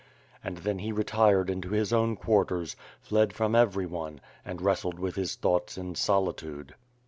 And then he retired into his own quarters, fled from every one, and wrestled with his thoughts in solitude.